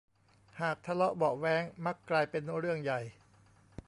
หากทะเลาะเบาะแว้งมักกลายเป็นเรื่องใหญ่